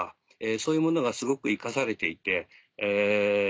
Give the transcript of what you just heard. そういうものがすごく生かされていて。